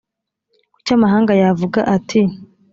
kuki amahanga yavuga ati